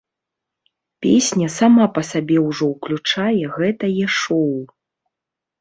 Песня сама па сабе ўжо ўключае гэтае шоў.